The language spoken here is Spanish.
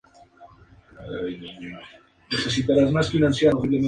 Di Matteo hace giras regularmente en Europa.